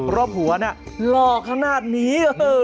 รอบหัวน่ะหลอกขนาดนี้